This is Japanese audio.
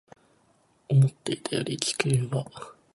思っていたより地球は